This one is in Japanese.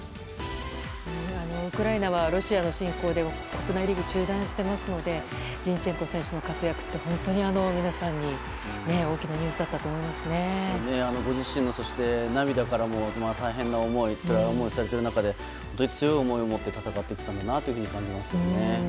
ウクライナはロシアの侵攻で国内リーグが中断してますのでジンチェンコ選手の活躍って本当に皆さんにとって大きなご自身の涙からも大変な思いつらい思いされている中で本当に強い思いを持って戦ってきたんだなと感じますね。